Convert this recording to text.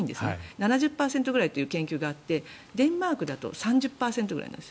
７０％くらいという研究があってデンマークだと３０％くらいなんです。